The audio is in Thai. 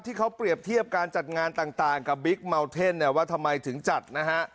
ที่เขาเปรียบเทียบการจัดงานต่างกับบิ๊กเมาเทนเนี่ยว่าทำไมถึงจัดนะฮะ